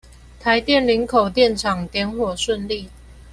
台電林口電廠點火順利